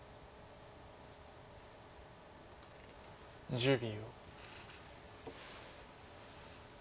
１０秒。